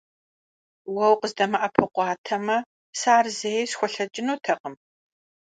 Уэ укъыздэмыӀэпыкъуатэмэ, сэ ар зэи схуэлъэкӀынутэкъым.